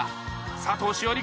佐藤栞里